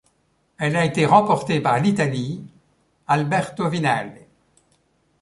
Elle a été remportée par l'Italie Alberto Vinale.